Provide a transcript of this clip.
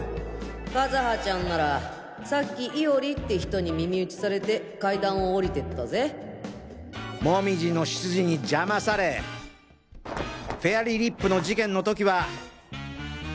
和葉ちゃんならさっき伊織って人に耳打ちされて階段をおりてったぜ紅葉の執事に邪魔されフェアリーリップの事件の時は。